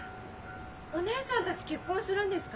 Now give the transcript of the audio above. お姉さんたち結婚するんですか？